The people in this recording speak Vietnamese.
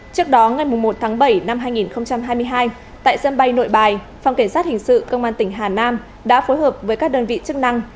trước đó ngày một tháng bảy năm hai nghìn hai mươi hai tại sân bay nội bài phòng cảnh sát hình sự công an tỉnh hà nam đã phối hợp với các đơn vị chức năng